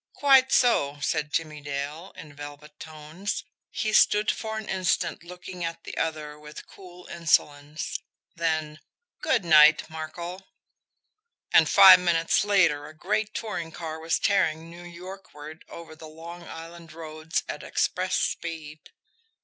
"Quite so," said Jimmie Dale, in velvet tones. He stood for an instant looking at the other with cool insolence; then: "Good night, Markel" and five minutes later a great touring car was tearing New Yorkward over the Long Island roads at express speed.